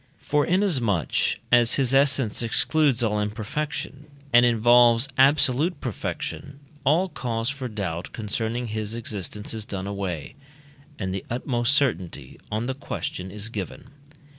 For inasmuch as his essence excludes all imperfection, and involves absolute perfection, all cause for doubt concerning his existence is done away, and the utmost certainty on the question is given.